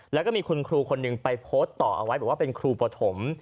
แล้วก็มีคุณครูคนหนึ่งไปโพสต์ต่อเอาไว้บอกว่าเป็นครูปฐม